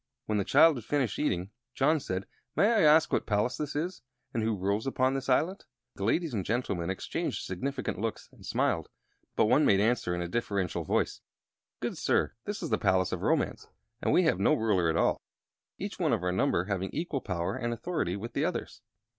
When the child had finished eating, John said: "May I ask what palace this is, and who rules upon this island?" The ladies and gentlemen exchanged significant looks, and smiled; but one made answer, in a deferential voice: "Good sir, this is the Palace of Romance; and we have no ruler at all, each one of our number having equal power and authority with the others."